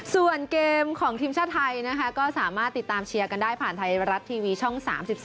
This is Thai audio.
ส่วนเกมของทีมชาติไทยนะคะก็สามารถติดตามเชียร์กันได้ผ่านไทยรัฐทีวีช่อง๓๒